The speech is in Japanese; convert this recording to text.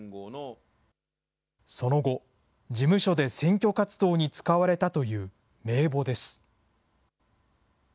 その後、事務所で選挙活動に使われたという名簿です。